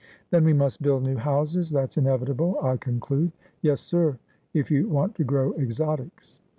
' Then we must build new houses — that's inevitable, I con clude.' ' Yes, sir, if you want to grow exotics.'